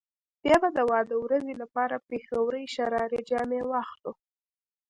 بيا به د واده ورځې لپاره پيښورۍ شراره جامې واخلو.